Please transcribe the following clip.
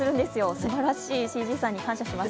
すばらしい、ＣＧさんに感謝します。